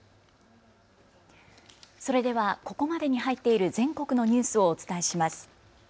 それではここまでに入っている全国のニュースをお伝えします。